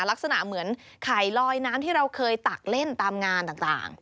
ลักษณะเหมือนไข่ลอยน้ำที่เราเคยตักเล่นตามงานต่าง